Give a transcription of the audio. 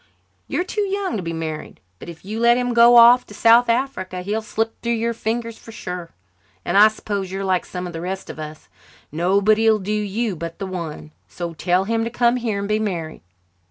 You're too young to be married, but if you let him go off to South Africa he'll slip through your fingers for sure, and I s'pose you're like some of the rest of us nobody'll do you but the one. So tell him to come here and be married."